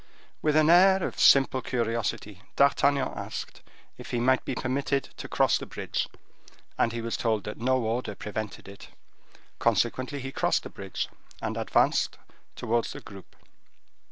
With an air of simple curiosity D'Artagnan asked if he might be permitted to cross the bridge, and he was told that no order prevented it. Consequently he crossed the bridge, and advanced towards the group.